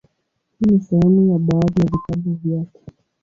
Hii ni sehemu ya baadhi ya vitabu vyake;